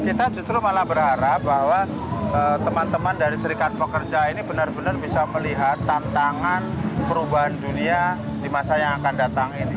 kita justru malah berharap bahwa teman teman dari serikat pekerja ini benar benar bisa melihat tantangan perubahan dunia di masa yang akan datang ini